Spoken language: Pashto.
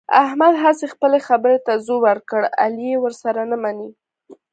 احمد هسې خپلې خبرې ته زور ور کړ، علي یې ورسره نه مني.